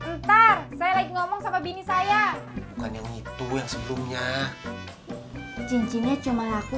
ntar saya lagi ngomong sama bini saya bukan yang itu yang sebelumnya cincinnya cuma laku